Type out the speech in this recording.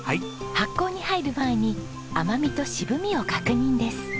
発酵に入る前に甘みと渋みを確認です。